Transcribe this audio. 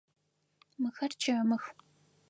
Мыхэр чэмых.